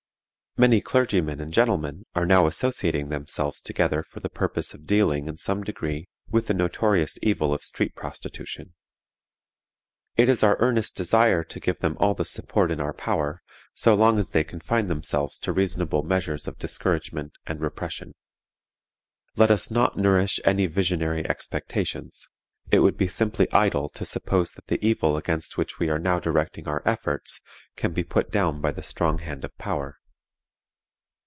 Many clergymen and gentlemen are now associating themselves together for the purpose of dealing in some degree with the notorious evil of street prostitution. It is our earnest desire to give them all the support in our power, so long as they confine themselves to reasonable measures of discouragement and repression. Let us not nourish any visionary expectations; it would be simply idle to suppose that the evil against which we are now directing our efforts, can be put down by the strong hand of power.